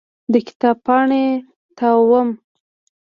د کتاب پاڼې تاووم.